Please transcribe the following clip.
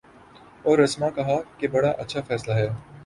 اور رسما کہا کہ بڑا اچھا فیصلہ ہے۔